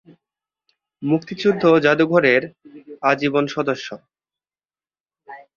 মুক্তিযুদ্ধ জাদুঘরের আজীবন সদস্য।